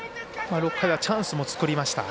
６回はチャンスも作りました。